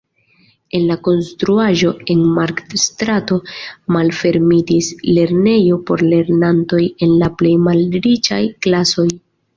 En la konstruaĵo en Markt-strato malfermitis lernejo por lernantoj el la plej malriĉaj klasoj.